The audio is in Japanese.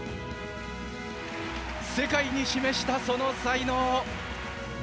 世界に示したその才能。